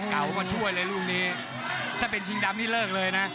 เก่าก็ช่วยเลยลูกนี้ถ้าเป็นชิงดำนี่เลิกเลยนะ